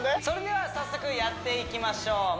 それでは早速やっていきましょう